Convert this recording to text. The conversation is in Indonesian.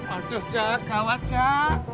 aduh jack gawat jack